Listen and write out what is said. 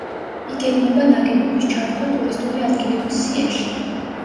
იგეგმება ნაგებობის ჩართვა ტურისტული ადგილების სიაში.